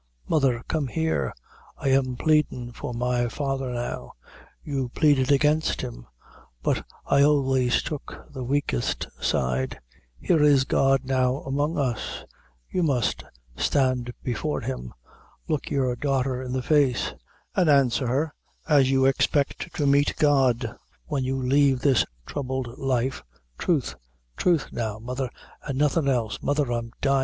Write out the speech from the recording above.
Mother, come here I am pleadin' for my father now you pleaded against him, but I always took the weakest side here is God now among us you must stand before him look your daughter in the face an' answer her as you expect to meet God, when you leave this throubled life truth truth now, mother, an' nothin' else. Mother, I am dyin'.